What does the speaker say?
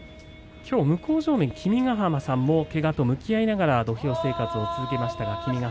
きょうは向正面君ヶ濱さんもけがと向き合いながら土俵生活を続けました。